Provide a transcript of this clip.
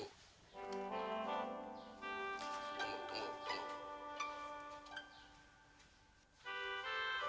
tunggu tunggu tunggu